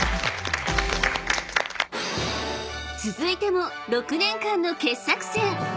［続いても６年間の傑作選］